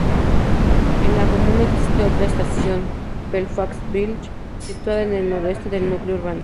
En la comuna existe otra estación, Belfaux-Village, situada en el noreste del núcleo urbano.